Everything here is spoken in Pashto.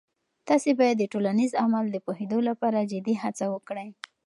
تاسې باید د ټولنیز عمل د پوهیدو لپاره جدي هڅه وکړئ.